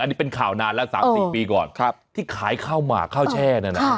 อันนี้เป็นข่าวนานแล้ว๓๔ปีก่อนที่ขายข้าวหมากข้าวแช่นั่นน่ะ